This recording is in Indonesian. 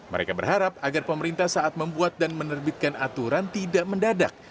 mereka berharap agar pemerintah saat membuat dan menerbitkan aturan tidak mendadak